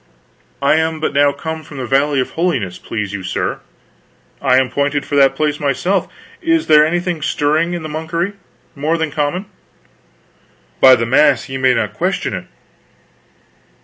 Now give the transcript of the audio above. "I am but now come from the Valley of Holiness, please you sir." "I am pointed for that place myself. Is there anything stirring in the monkery, more than common?" "By the mass ye may not question it!....